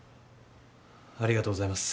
ありがとうございます。